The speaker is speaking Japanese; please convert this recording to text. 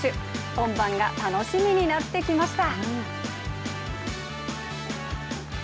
本番が楽しみになってきました。